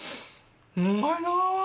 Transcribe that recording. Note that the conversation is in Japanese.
うまいな。